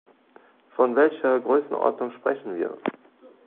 Von welcher Größenordnung sprechen wir?